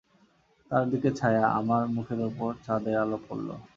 তার দিকে ছায়া, আমার মুখের উপর চাঁদের আলো পড়ল।